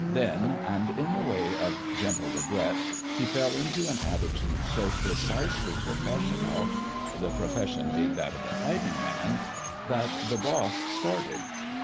Then and in the way of gentle regret he fell into an attitude so precisely professional the profes sion being that of a fighting man that the boss started.